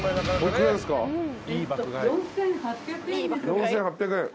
４，８００円。